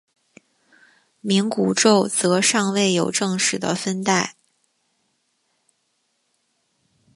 冥古宙则尚未有正式的分代。